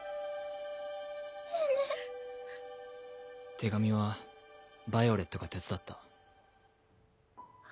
手紙はヴァイオレットが手伝った。